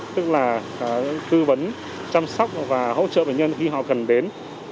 tức là tư vấn chăm sóc và hỗ trợ bệnh nhân khi họ cần đến